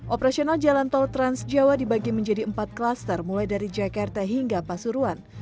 operasional jalan tol transjawa dibagi menjadi empat klaster mulai dari jakarta hingga pasuruan